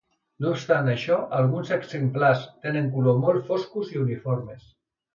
No obstant això, alguns exemplars tenen colors molt foscos i uniformes.